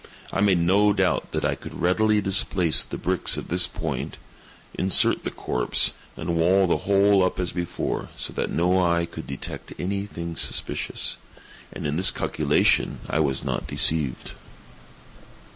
I made no doubt that I could readily displace the bricks at this point, insert the corpse, and wall the whole up as before, so that no eye could detect any thing suspicious. And in this calculation I was not deceived.